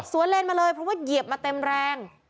เลนมาเลยเพราะว่าเหยียบมาเต็มแรง